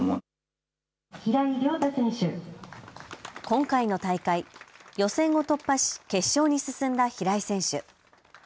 今回の大会、予選を突破し、決勝に進んだ平井選手。